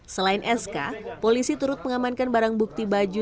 selain sk polisi turut mengamankan barang bukti baju